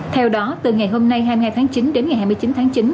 theo đó từ ngày hôm nay hai mươi hai tháng chín đến ngày hai mươi chín tháng chín